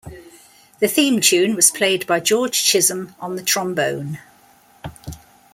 The theme tune was played by George Chisholm on the trombone.